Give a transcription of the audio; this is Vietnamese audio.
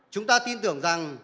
chúng ta tin tưởng rằng